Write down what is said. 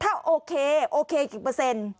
ถ้าโอเคโอเคกี่เปอร์เซ็นต์